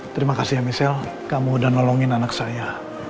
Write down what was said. terima kasih ya michelle kamu udah nolongin anak saya